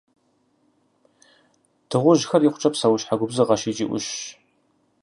Дыгъужьхэр икъукӏэ псэущхьэ губзыгъэщ икӏи ӏущщ.